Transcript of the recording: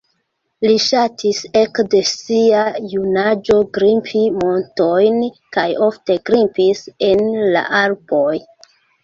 Li ŝatis ekde sia junaĝo grimpi montojn kaj ofte grimpis en la Alpoj.